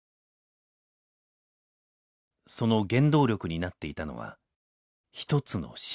その原動力になっていたのは「一つの死」。